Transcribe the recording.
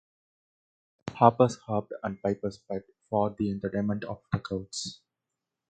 Harpers harped and pipers piped for the entertainment of the crowds.